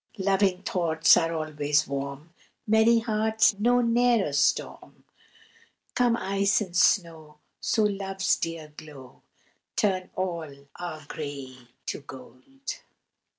Loving thoughts are always warm; Merry hearts know ne'er a storm. Come ice and snow, so love's dear glow Turn all our gray to gold.